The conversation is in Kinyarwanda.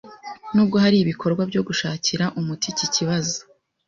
Nubwo hari ibikorwa byo gushakira umuti iki kibazo,